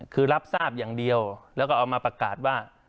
คือรับทราบอย่างเดียวแล้วก็เอามาประกาศว่า